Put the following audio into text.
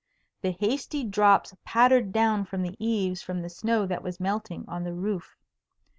The hasty drops pattered down from the eaves from the snow that was melting on the roof.